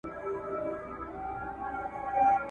د ابليس پندونه !.